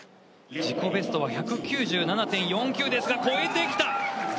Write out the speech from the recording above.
自己ベストは１９７．４９ですが超えてきた！